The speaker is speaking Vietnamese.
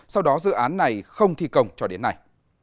sau đó dự án này không thi công cho đến nay